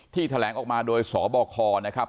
แถลงออกมาโดยสบคนะครับ